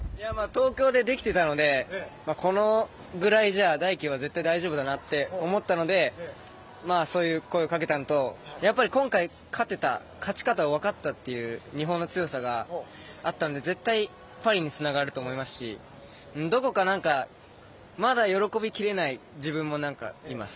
東京で、できていたのでこれぐらいじゃ大輝は絶対大丈夫だなって思ったのでそういう声をかけたのと今回、勝てた勝ち方が分かったという日本の強さがあったので絶対パリにつながると思いますしどこかまだ喜び切れない自分もいます。